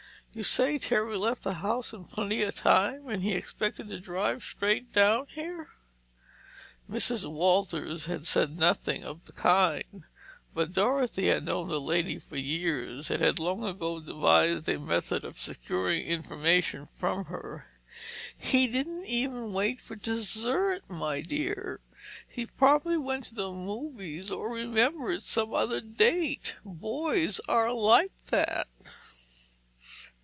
You say Terry left the house in plenty of time, and he expected to drive straight down here?" Mrs. Walters had said nothing of the kind, but Dorothy had known the lady for years, and had long ago devised a method of securing information from her. "He didn't even wait for dessert, my dear. He probably went to the movies or remembered some other date. Boys are like that!"